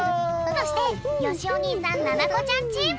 そしてよしお兄さんななこちゃんチーム！